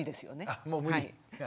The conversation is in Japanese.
あもう無理。